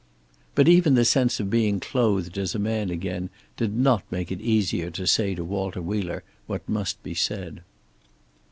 But even the sense of being clothed as a man again did not make it easier to say to Walter Wheeler what must be said.